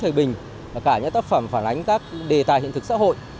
thời bình và cả những tác phẩm phản ánh các đề tài hiện thực xã hội